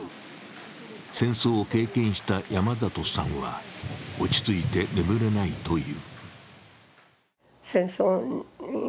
戦争を経験した山里さんは落ち着いて眠れないという。